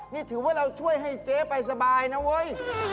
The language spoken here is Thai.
นี่ถือว่าเราช่วยให้เจ๊ไปสบายนะเว้ย